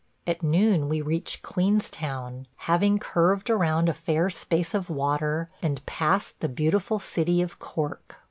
At noon we reach Queenstown, having curved around a fair space of water and past the beautiful city of Cork.